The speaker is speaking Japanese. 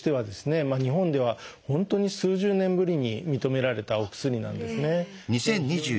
日本では本当に数十年ぶりに認められたお薬なんですね。